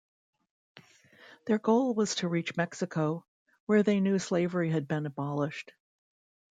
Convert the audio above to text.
Their goal was to reach Mexico, where they knew slavery had been abolished.